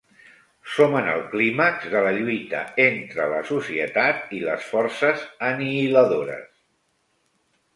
Som en el clímax de la lluita entre la societat i les forces anihiladores.